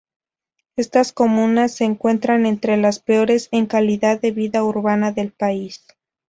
Estas comunas se encuentran entre las peores en calidad de vida urbana del país.